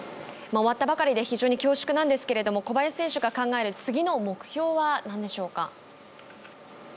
終わったばかりで非常に恐縮なんですが小林選手が考える次の目標は何でしょうか？